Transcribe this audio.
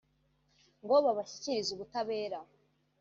ngo babashyikirize ubutabera